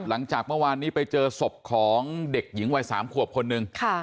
หลังจากเมื่อวานนี้ไปเจอศพของเด็กหญิงวัย๓ขวบคนหนึ่ง